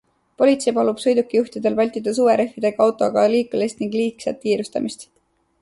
Politsei palub sõidukijuhtidel vältida suverehvidega autoga liiklemist ning liigset kiirustamist.